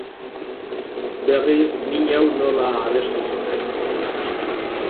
Berriz min hau nola abestu zuten.